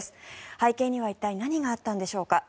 背景には一体、何があったんでしょうか。